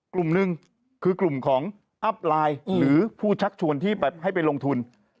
กลุ่มหนึ่งคือกลุ่มของอัพไลน์หรือผู้ชักชวนที่แบบให้ไปลงทุน